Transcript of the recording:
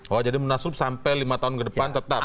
oh jadi munaslup sampai lima tahun ke depan tetap